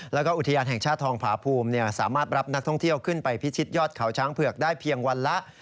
แล้วก็อุทยานแห่งชาติทองผาภูมิสามารถรับนักท่องเที่ยวขึ้นไปพิชิตยอดเขาช้างเผือกได้เพียงวันละ